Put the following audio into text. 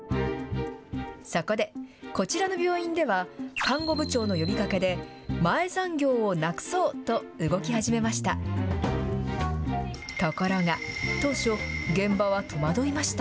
そこで、こちらの病院では看護部長の呼びかけで、前残業をなくそうと動き始めました。